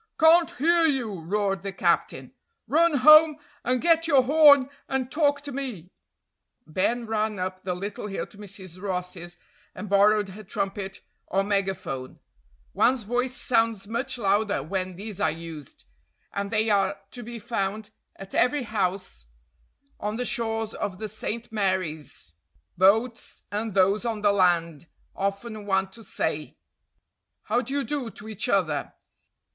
"Can't hear you!" roared the captain. "Run home and get your horn, and talk to me." Ben ran up the little hill to Mrs. Ross's, and borrowed her trumpet, or megaphone. One's voice sounds much louder when these are used, and they are to be found at every house on the shores of the St. Mary's, boats, and those on the land, often want to say, "How do you do?" to each other.